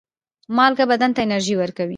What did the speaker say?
مالګه بدن ته انرژي ورکوي.